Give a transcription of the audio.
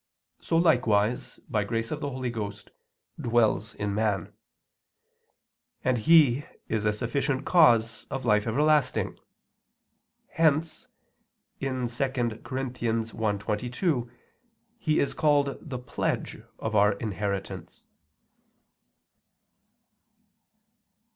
So likewise by grace of the Holy Ghost dwells in man; and He is a sufficient cause of life everlasting; hence, 2 Cor. 1:22, He is called the "pledge" of our inheritance.